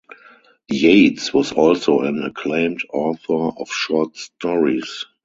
Yates was also an acclaimed author of short stories.